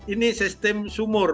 ini sistem sumur